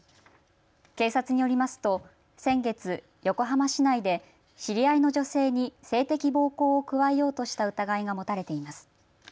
警察によりますと先月、横浜市内で知り合いの女性に性的暴行を加えようとした疑いが持たれています。